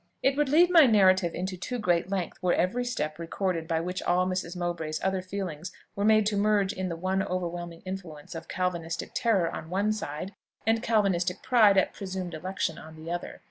It would lead my narrative into too great length were every step recorded by which all Mrs. Mowbray's other feelings were made to merge in the one overwhelming influence of Calvinistic terror on one side, and Calvinistic pride at presumed election on the other.